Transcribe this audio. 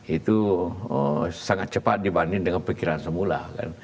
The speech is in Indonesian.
itu sangat cepat dibanding dengan pikiran semula